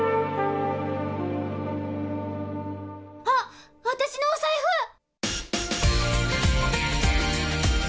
あっ私のお財布！